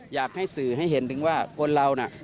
อยากให้สื่อให้เห็นถึงว่าคนเราน่ะ